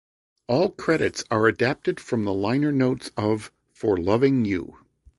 All credits are adapted from the liner notes of "For Loving You".